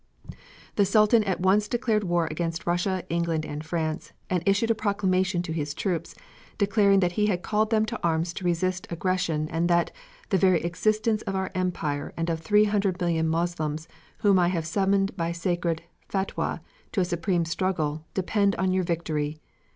The Sultan at once declared war against Russia, England and France, and issued a proclamation to his troops, declaring that he had called them to arms to resist aggression and that "the very existence of our Empire and of three hundred million Moslems whom I have summoned by sacred Fetwa to a supreme struggle, depend on your victory.